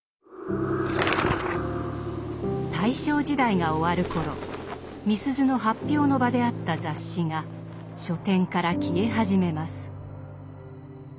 大正時代が終わる頃みすゞの発表の場であった雑誌が書店から消え始めます。